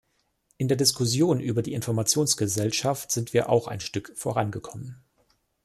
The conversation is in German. In der Diskussion über die Informationsgesellschaft sind wir auch ein Stück vorangekommen.